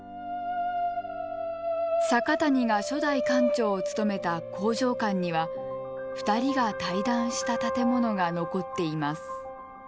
阪谷が初代館長を務めた興譲館には２人が対談した建物が残っています。